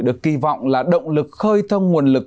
được kỳ vọng là động lực khơi thông nguồn lực